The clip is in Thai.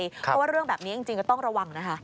เพราะว่าเรื่องแบบนี้จริงก็ต้องระวังนะคะ